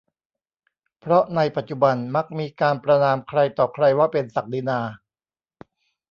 เพราะในปัจจุบันมักมีการประณามใครต่อใครว่าเป็นศักดินา